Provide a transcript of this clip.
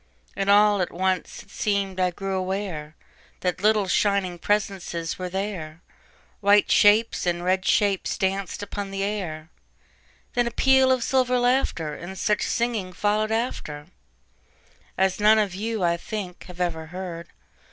And all at once it seem'd I grew awareThat little, shining presences were there,—White shapes and red shapes danced upon the air; Then a peal of silver laughter, And such singing followed afterAs none of you, I think, have ever heard.